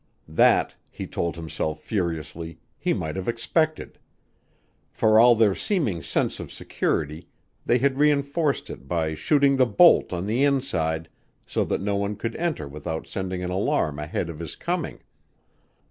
That, he told himself furiously, he might have expected. For all their seeming sense of security they had reënforced it by shooting the bolt on the inside so that no one could enter without sending an alarm ahead of his coming.